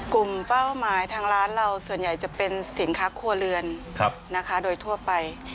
เป้าหมายทางร้านเราส่วนใหญ่จะเป็นสินค้าครัวเรือนนะคะโดยทั่วไป